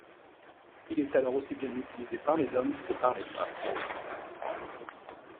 Il est alors aussi bien utilisé par les hommes que par les femmes.